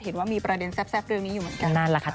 เห็นว่ามีประเด็นแซ่บเรื่องนี้อยู่เหมือนกัน